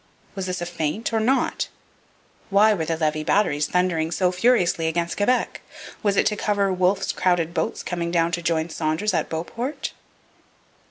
Was this a feint or not? Why were the Levis batteries thundering so furiously against Quebec? Was it to cover Wolfe's crowded boats coming down to join Saunders at Beauport?